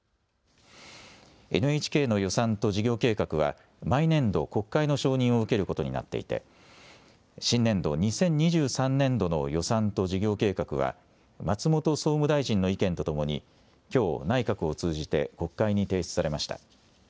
ＮＨＫの予算と事業計画は毎年度、国会の承認を受けることになっていて新年度２０２３年度の予算と事業計画は松本総務大臣の意見とともにきょう内閣を通じて国会に提出されました。